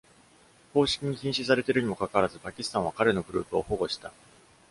公式に禁止されているにもかかわらず、パキスタンは彼のグループを保護した。